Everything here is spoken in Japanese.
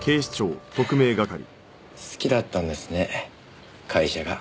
好きだったんですね会社が。